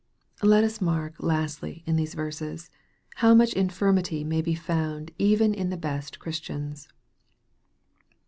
Let us mark, lastly, in these verses, how much infirmity may be found even in the best Christians.